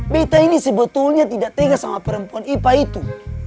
beta ini sebetulnya tidak tega sama perempuan ipa itu